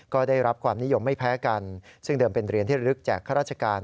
ก็ได้รับความนิยมไม่แพ้กันซึ่งเดิมเป็นเหรียญที่ระลึกแจกข้าราชการ